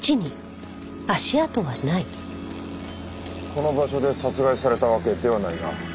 この場所で殺害されたわけではないな。